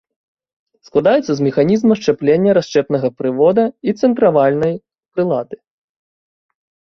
Складаецца з механізма счаплення расчэпнага прывода і цэнтравальнай прылады.